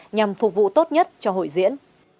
nhằm phục vụ tốt nhất cho hội diễn